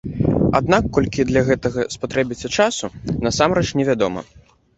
Аднак колькі ёй для гэтага спатрэбіцца часу, насамрэч, невядома.